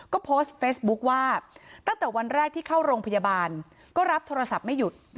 ก็โพสต์เฟซบุ๊คว่าตั้งแต่วันแรกที่เข้าโรงพยาบาลก็รับโทรศัพท์ไม่หยุด